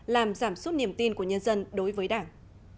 làm giảm suốt niềm tin của nhân dân đối với đảng